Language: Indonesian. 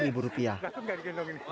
takut gak digendong ini